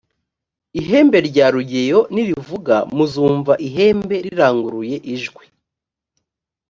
ihembe rya rugeyo nirivuga muzumva ihembe riranguruye ijwi.